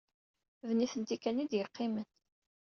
D nitenti kan ay d-yeqqimen.